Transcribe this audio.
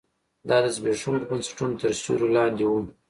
دا د زبېښونکو بنسټونو تر سیوري لاندې و.